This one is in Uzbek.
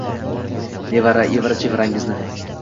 Nevara, evara, chevarangizni.